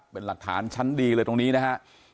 เป็นหลักฐานชั้นดีเลยตรงนี้นะฮะ